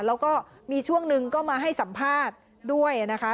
แล้วก็มีช่วงหนึ่งก็มาให้สัมภาษณ์ด้วยนะคะ